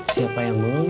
siapa yang belum